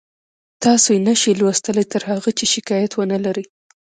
تاسو یې نشئ لوستلی تر هغه چې شکایت ونلرئ